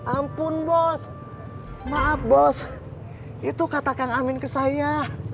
ampun bos maaf bos itu katakan amin ke saya